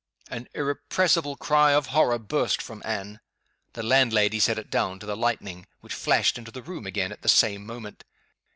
An irrepressible cry of horror burst from Anne. The landlady set it down to the lightning, which flashed into the room again at the same moment.